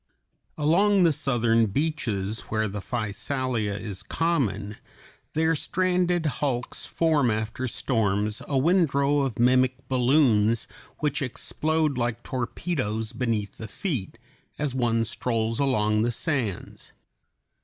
Along the southern beaches, where the Physalia is common, their stranded hulks form after storms a windrow of mimic balloons which explode like torpedoes beneath the feet, as one strolls along the sands.